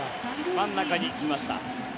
真ん中に来ました。